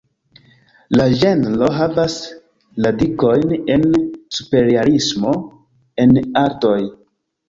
La ĝenro havas radikojn en superrealismo en artoj.